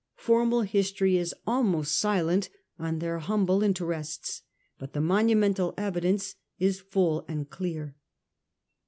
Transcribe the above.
Formal history is almost silent on their humble interests, but the monu mental evidence is full and clear.